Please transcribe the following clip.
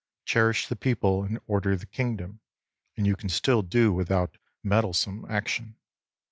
Cherish the people and order the kingdom, and you can still do without meddlesome action.